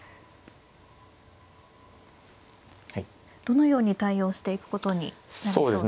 どのように対応していくことになりそうですか。